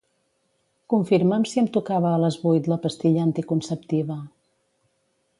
Confirma'm si em tocava a les vuit la pastilla anticonceptiva.